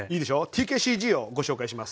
「ＴＫＣＧ」をご紹介します。